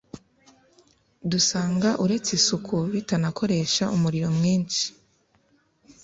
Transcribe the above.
dusanga uretse isuku bitanakoresha umuriro mwinshi